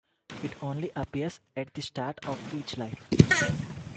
It only appears at the start of each life.